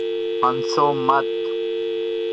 ہنسو مت